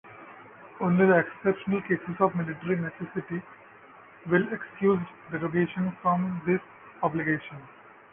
Only exceptional cases of 'military necessity' will excuse derogation from this obligation.